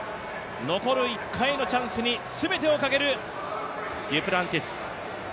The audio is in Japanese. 残る１回のチャンスにすべてをかけるデュプランティス。